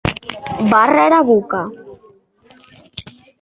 Barra era boca.